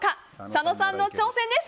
佐野さんの挑戦です！